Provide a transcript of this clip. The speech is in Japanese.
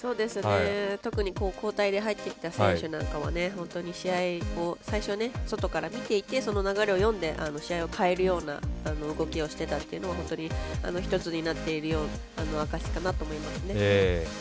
特に交代で入ってきた選手なんか本当に試合を最初は外から見ていてその流れを読んで試合を変えるような動きをしてたっていうの一つになっている証しかなと思います。